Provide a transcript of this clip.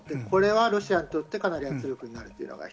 これはロシアにとってかなりの圧力になる。